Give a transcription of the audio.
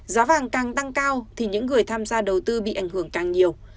giá vàng càng tăng cao thì những người tham gia đầu tư bị ảnh hưởng càng nhiều